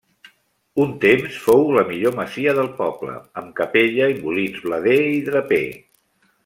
Un temps fou la millor masia del poble, amb capella i molins blader i draper.